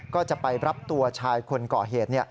ก็จะไปรับตัวชายคนก่อเหตุ